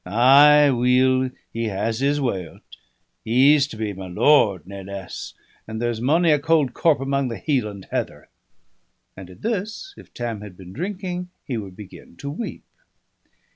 Ay, weel he has his way o't: he's to be my lord, nae less, and there's mony a cold corp amang the Hieland heather!" And at this, if Tam had been drinking, he would begin to weep.